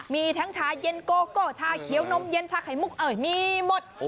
มีทั้งชาเย็นโกโก้ชาเขียวนมเย็นชาไข่มุกเอ่ยมีหมด